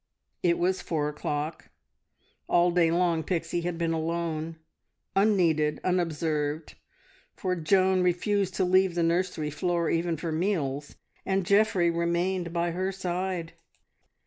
It was four, o'clock. All day long Pixie had been alone, unneeded, unobserved, for Joan refused to leave the nursery floor, even for meals, and Geoffrey remained by her side.